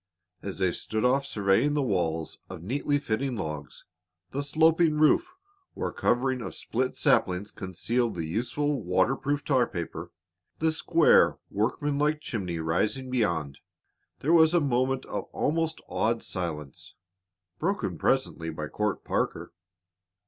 As they stood off surveying the walls of neatly fitting logs, the sloping roof where a covering of split saplings concealed the useful, waterproof tar paper, the square, workmanlike chimney rising beyond, there was a moment of almost awed silence, broken presently by Court Parker.